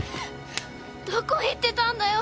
どこ行ってたんだよ。